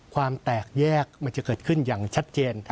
ความแตกแยกมันจะเกิดขึ้นอย่างชัดเจน